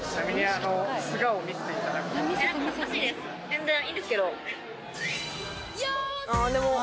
全然いいんですけど。